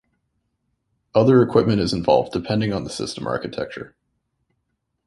Other equipment is involved depending on the system architecture.